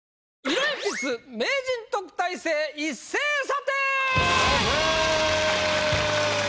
「色鉛筆名人・特待生一斉査定」！